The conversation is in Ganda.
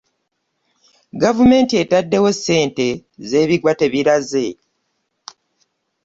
Gavumenti ettadewo ssente z'ebigwa tebiraze.